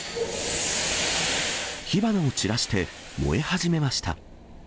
火花を散らして燃え始めました。